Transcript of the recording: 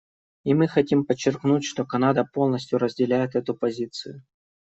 И мы хотим подчеркнуть, что Канада полностью разделяет эту позицию.